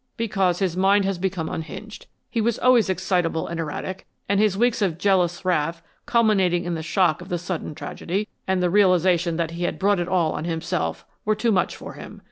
"Because his mind has become unhinged. He was always excitable and erratic, and his weeks of jealous wrath, culminating in the shock of the sudden tragedy, and the realization that he had brought it all on himself, were too much for him.